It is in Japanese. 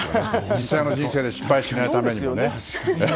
実際の人生で失敗しないためにもね。